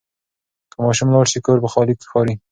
که ماشوم لاړ شي، کور به خالي ښکاري.